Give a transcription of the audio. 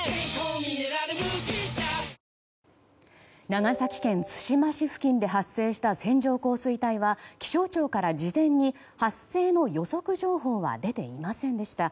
長崎県対馬市付近で発生した線状降水帯は気象庁から事前に発生の予測情報は出ていませんでした。